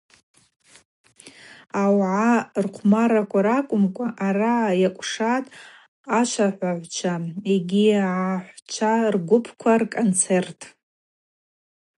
Ауагӏа рхъвмарраква ракӏвымкӏва араъа йакӏвшатӏ ашвахӏвагӏвчва йгьи агӏахӏвчва гвыпква рконцерт.